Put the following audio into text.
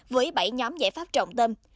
với bảy nhóm giải pháp trọng tâm